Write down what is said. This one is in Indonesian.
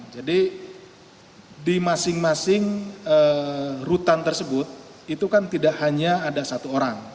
di masing masing rutan tersebut itu kan tidak hanya ada satu orang